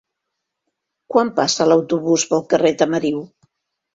Quan passa l'autobús pel carrer Tamariu?